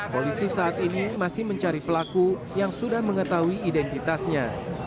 polisi saat ini masih mencari pelaku yang sudah mengetahui identitasnya